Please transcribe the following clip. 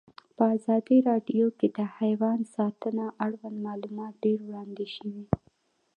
په ازادي راډیو کې د حیوان ساتنه اړوند معلومات ډېر وړاندې شوي.